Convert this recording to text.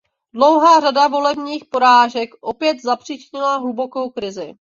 Dlouhá řada volebních porážek opět zapříčinila hlubokou krizi.